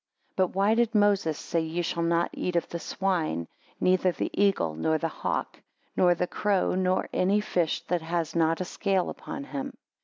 BUT why did Moses say Ye shall not eat of the swine, neither the eagle nor the hawk; nor the crow; nor any fish that has not a scale upon him?